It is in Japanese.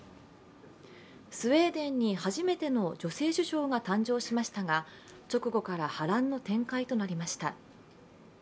スウェーデンに初めての女性首相が誕生しましたが直後から波乱の展開となりました。